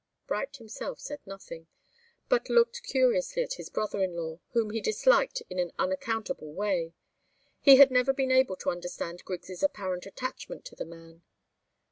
Bright himself said nothing, but looked curiously at his brother in law, whom he disliked in an unaccountable way. He had never been able to understand Griggs' apparent attachment to the man.